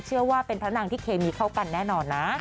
เชื่อว่าเป็นพระนางที่เคมีเข้ากันแน่นอนนะ